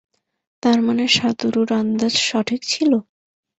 তারমানে সাতোরুর আন্দাজ সঠিক ছিলো?